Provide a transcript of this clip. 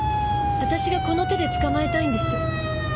私がこの手で捕まえたいんです。